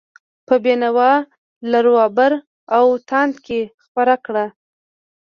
په بینوا، لراوبر او تاند کې خپره کړه.